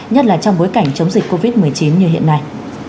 nhất là trong bối cảnh chống dịch covid một mươi chín như hiện nay